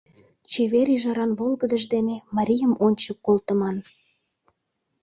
Чевер ӱжаран волгыдыж дене марийым ончык колтыман...